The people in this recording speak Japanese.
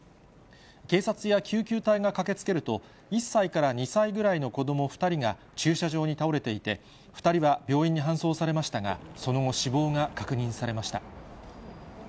警察や救急隊が駆けつけると、１歳から２歳ぐらいの子ども２人が、駐車場に倒れていて、２人は病院に搬送されましたが、その後、死亡が確認されました。